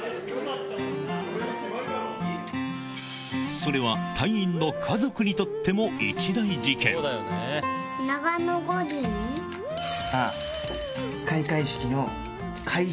それは隊員の家族にとっても一大事件ああ開会式の会場